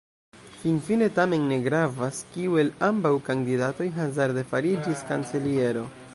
Finfine tamen ne gravas, kiu el ambaŭ kandidatoj hazarde fariĝis kanceliero.